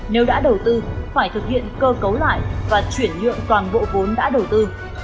nếu đã đầu tư phải thực hiện cơ cấu lại và chuyển nhượng toàn bộ vốn đã đầu tư